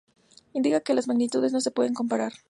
Indica que dos magnitudes no se pueden comparar.